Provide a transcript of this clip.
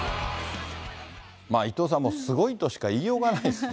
伊藤さん、もう、すごいとしか言いようがないですね。